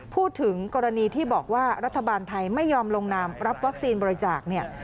พูดถึงกรณีที่บอกว่ารัฐบาลไทยไม่ยอมลงนามรับวัคซีนบริจาคเนี่ย